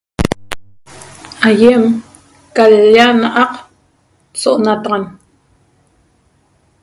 Aiem ca l-lla na'aq so'onataxan